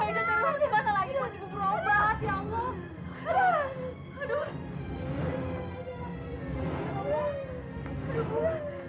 bahkan kamu tidak merasakan dengan syarat itu